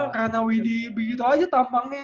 cuma karena widy begitu aja tampangnya